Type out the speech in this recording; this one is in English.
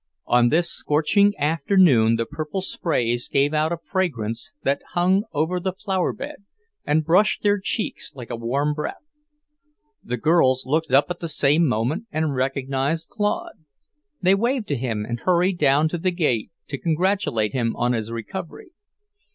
On this scorching afternoon the purple sprays gave out a fragrance that hung over the flower bed and brushed their cheeks like a warm breath. The girls looked up at the same moment and recognized Claude. They waved to him and hurried down to the gate to congratulate him on his recovery.